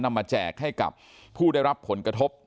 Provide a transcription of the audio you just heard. นำมาแจกให้กับผู้ได้รับผลกระทบ